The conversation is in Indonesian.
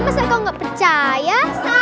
masa kau gak percaya